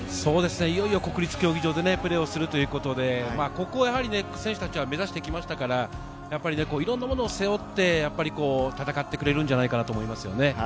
いよいよ国立競技場でプレーをするということで、ここは、やはり選手たちは目指してきましたから、いろんなものを背負って戦ってくれるんじゃないかなと思います。